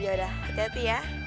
ya udah hati hati ya